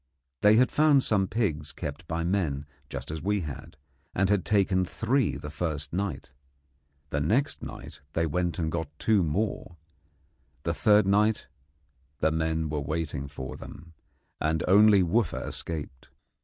They had found some pigs kept by men just as we had, and had taken three the first night. The next night they went and got two more; the third night the men were waiting for them, and only Wooffa escaped.